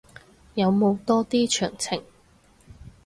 有冇多啲詳情